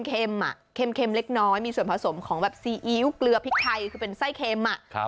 เค็มเล็กน้อยมีส่วนผสมของแบบซีอิ๊วเกลือพริกไทยคือเป็นไส้เค็มอ่ะ